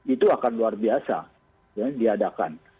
itu akan luar biasa diadakan